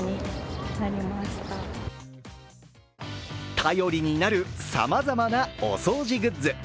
頼りになるさまざまなお掃除グッズ。